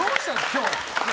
今日。